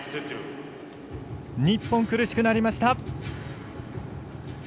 日本、苦しくなりました。